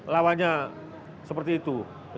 lawannya seperti itu